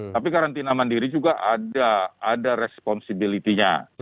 tapi karantina mandiri juga ada ada responsibilitinya